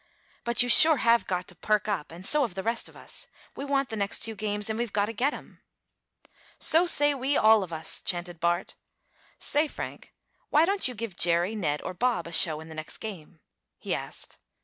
"But you sure have got to perk up, and so have the rest of us. We want the next two games, and we've got to get 'em!" "So say we all of us!" chanted Bart. "Say, Frank, why don't you give Jerry, Ned or Bob a show in the next game?" he asked.